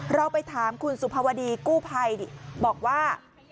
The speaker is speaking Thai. เราไปถามคุณสุภาวดีกู้ภัยบอกว่า